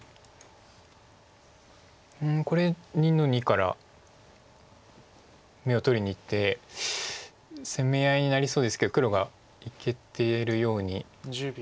これ２の二から眼を取りにいって攻め合いになりそうですけど黒がいけてるように。